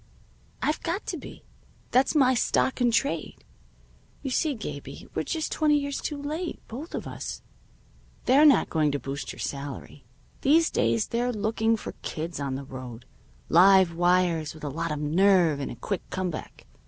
I've got to be. That's my stock in trade. You see, Gabie, we're just twenty years late, both of us. They're not going to boost your salary. These days they're looking for kids on the road live wires, with a lot of nerve and a quick come back.